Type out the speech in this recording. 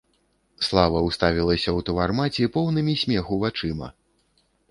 Слава ўставілася ў твар маці поўнымі смеху вачыма.